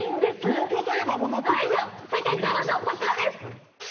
正解言っちゃいましょう、こちらです。